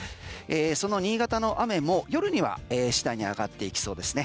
その新潟の雨も夜には次第に上がっていきそうですね。